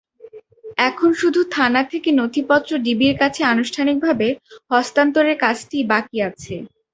এখন শুধু থানা থেকে নথিপত্র ডিবির কাছে আনুষ্ঠানিকভাবে হস্তান্তরের কাজটি বাকি আছে।